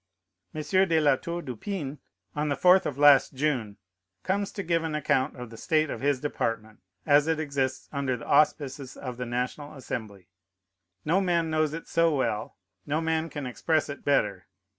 M. de La Tour du Pin, on the fourth of last June, comes to give an account of the state of his department, as it exists under the auspices of the National Assembly. No man knows it so well; no man can express it better.